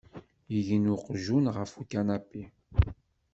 Igen uqjun ɣef ukanapi.